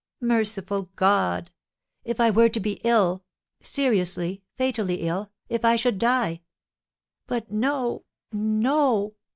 Merciful God! If I were to be ill, seriously, fatally ill, if I should die! But no, no!"